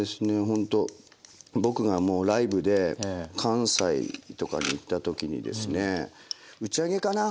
ほんと僕がもうライブで関西とかに行った時にですね打ち上げかな？